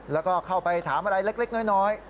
แล้วก็เข้าไปถามอะไรเล็กน้อย